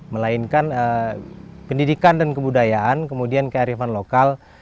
melainkan pendidikan dan kebudayaan kemudian kearifan lokal